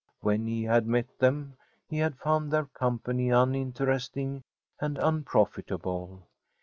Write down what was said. When he had met them he had found their company uninteresting and unprofitable.